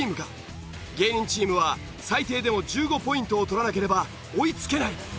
芸人チームは最低でも１５ポイントを取らなければ追いつけない。